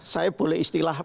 saya boleh istilah